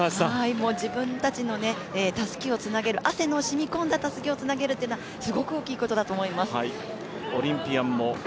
自分たちのたすきをつなげる、汗のしみこんだたすきをつなげるのはすごく大切なことだと思いました。